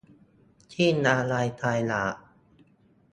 สิ้นอาลัยตายอยาก